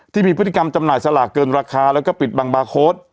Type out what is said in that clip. ที่มีพฤติกรรมจำหน่ายสลากเกินราคาแล้วก็ปิดบังบาร์โค้ด